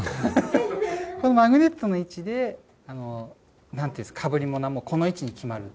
このマグネットの位置で、なんて言うんですか、かぶり物はこの位置に決まる。